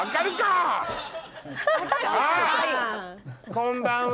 こんばんは！